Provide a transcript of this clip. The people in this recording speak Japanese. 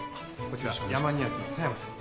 こちらヤマニアスの佐山さん。